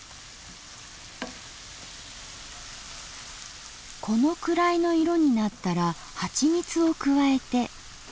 このくらいの色になったらはちみつを加えて時間短縮。